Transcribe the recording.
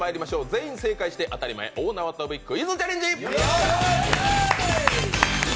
全員正解して当たり前、大縄跳びクイズチャレンジ。